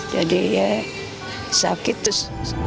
jadi ya sakit terus